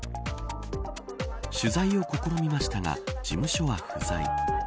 取材を試みましたが事務所は不在。